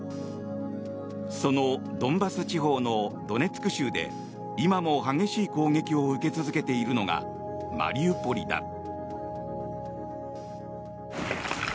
そのドンバス地方のドネツク州で今も激しい攻撃を受け続けているのがマリウポリだ。